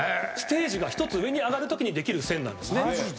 ステージが１つ上に上がるときにできる線なんですね。